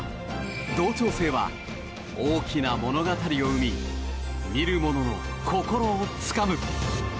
同調性は大きな物語を生み見る者の心をつかむ。